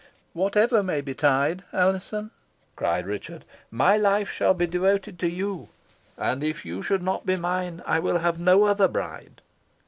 "Whatever may betide, Alizon," cried Richard, "my life shall be devoted to you; and, if you should not be mine, I will have no other bride.